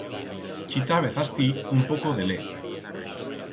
Chitábez astí un poco de let.